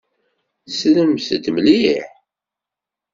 Slemt-d mliḥ.